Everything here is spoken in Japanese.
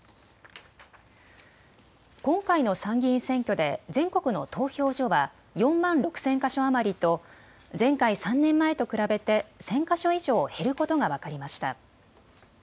今回の参議院選挙で全国の投票所は４万６０００か所余りと前回３年前と比べて１０００か所以上減ることが分かりました。